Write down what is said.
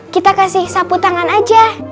kita kasih sapu tangan aja